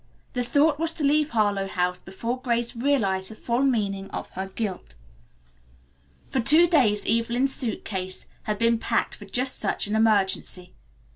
That thought was to leave Harlowe House before Grace realized the full meaning of her guilt. For two days Evelyn's suit case had been packed for just such an emergency.